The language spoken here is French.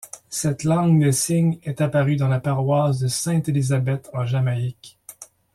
Cette langue des signes est apparue dans la paroisse de Saint Elizabeth en Jamaïque.